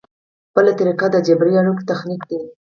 بله طریقه د جبري اړیکو تخنیک دی.